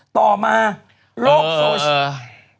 ต่อมาโรคโซชิ